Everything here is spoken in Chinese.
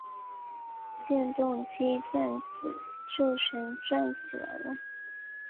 电动机转子就旋转起来了。